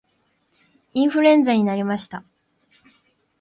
インフルエンザになりました